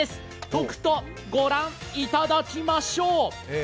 とくとご覧いただきましょう。